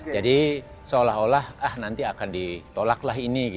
jadi seolah olah nanti akan ditolaklah ini